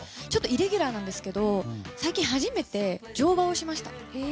イレギュラーなんですけど最近、初めて乗馬をしました。